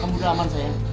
kamu udah aman sayang